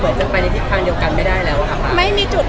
ของเราแห่งนี้คือมันอย่างเงี่ยกันไม่ได้แล้วค่ะ